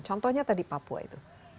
contohnya tadi papua itu